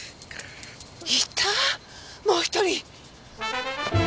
いたもう１人！